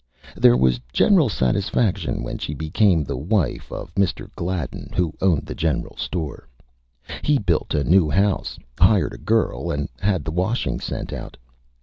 There was General Satisfaction when she became the Wife of Mr. Gladden, who owned the General Store. He built a new House, hired a Girl and had the Washing sent out.